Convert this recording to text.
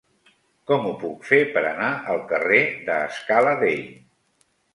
Com ho puc fer per anar al carrer de Scala Dei?